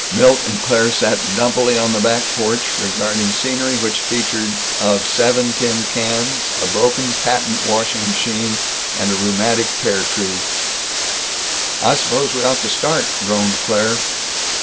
Milt and Claire sat dumpily on the back porch, regarding scenery which featured of seven tin cans, a broken patent washing machine, and a rheumatic pear tree. "I suppose we ought to start," groaned Claire.